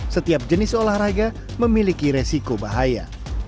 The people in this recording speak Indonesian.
setiap jenis olahraga memiliki resiko bahaya